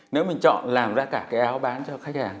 nếu mình chọn làm ra cả cái áo bán cho khách hàng